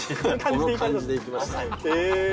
この感じで行きました。